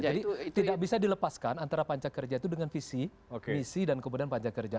jadi tidak bisa dilepaskan antara panca kerja itu dengan visi misi dan kemudian panca kerja